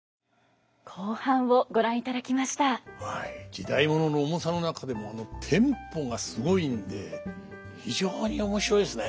時代物の重さの中でもテンポがすごいんで非常に面白いですね。